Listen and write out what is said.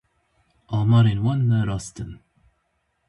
Amarên wan ne rast in.